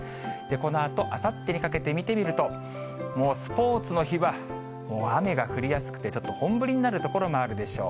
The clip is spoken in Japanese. このあと、あさってにかけて見てみると、もうスポーツの日は、雨が降りやすくて、ちょっと本降りになる所もあるでしょう。